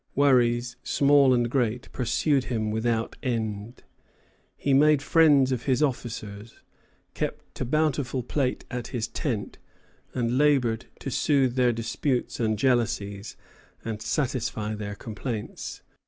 Worries, small and great, pursued him without end. He made friends of his officers, kept a bountiful table at his tent, and labored to soothe their disputes and jealousies, and satisfy their complaints.